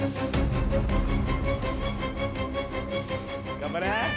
頑張れ！